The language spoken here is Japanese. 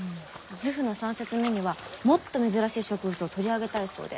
図譜の３冊目にはもっと珍しい植物を取り上げたいそうで。